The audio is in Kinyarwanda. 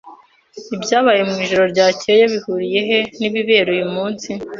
Ibyabaye mwijoro ryakeye bihuriye he nibibera uyu munsi?